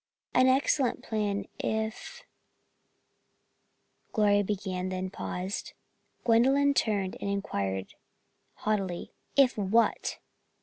"An excellent plan, if " Gloria began, then paused. Gwendolyn turned and inquired haughtily, "If what?"